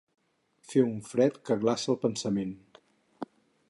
Fer un fred que glaça el pensament.